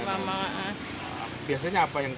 biasanya apa yang di